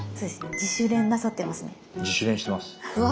自主練なさってますね。